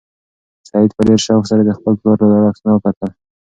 سعید په ډېر شوق سره د خپل پلار زاړه عکسونه کتل.